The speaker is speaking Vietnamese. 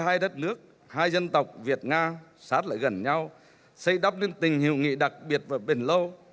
hai đất nước hai dân tộc việt nga sát lại gần nhau xây đắp nên tình hiểu nghị đặc biệt và bền lâu